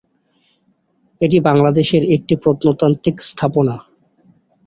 এটি বাংলাদেশের একটি প্রত্নতাত্ত্বিক স্থাপনা।